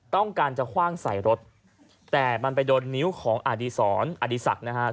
ต้องการจะคว่างใส่รถแต่มันไปโดนนิ้วของอดีศรอดีศักดิ์นะครับ